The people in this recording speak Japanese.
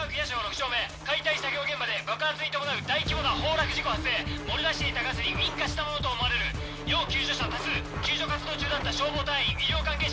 丁目解体作業現場で爆発に伴う大規模な崩落事故発生漏れ出していたガスに引火したものと思われる要救助者多数救助活動中だった消防隊員医療関係者